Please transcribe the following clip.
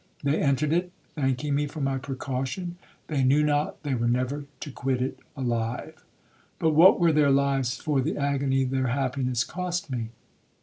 They entered it, thanking me for my precaution,—they knew not they were never to quit it alive. But what were their lives for the agony their happiness cost me?